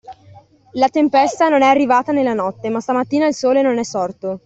La tempesta non è arrivata nella notte, ma stamattina il Sole non è sorto.